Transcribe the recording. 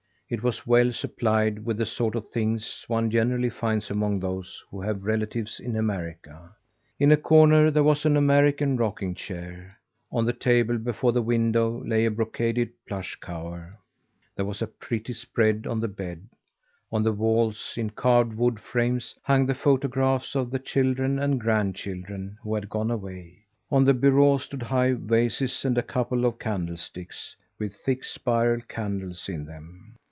It was well supplied with the sort of things one generally finds among those who have relatives in America. In a corner there was an American rocking chair; on the table before the window lay a brocaded plush cover; there was a pretty spread on the bed; on the walls, in carved wood frames, hung the photographs of the children and grandchildren who had gone away; on the bureau stood high vases and a couple of candlesticks, with thick, spiral candles in them.